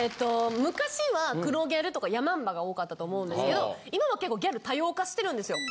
昔は黒ギャルとかヤマンバが多かったと思うんですけど今は結構ギャル多様化してるんですよ。